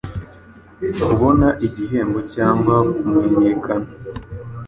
Kubona igihembo cyangwa kumenyekana